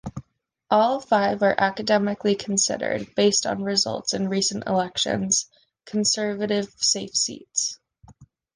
All five are academically considered, based on results in recent elections, Conservative safe seats.